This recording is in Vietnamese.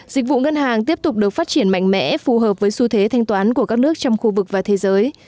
dịch vụ ngân hàng tiếp tục được phát triển mạnh mẽ phù hợp với xu thế thanh toán của các nước trong khu vực và thế giới